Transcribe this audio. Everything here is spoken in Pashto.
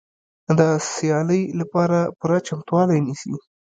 د سیالۍ لپاره پوره چمتووالی نیسي.